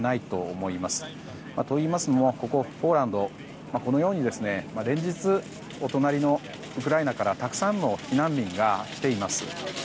と、いいますのもここポーランドはこのように連日お隣のウクライナからたくさんの避難民が来ています。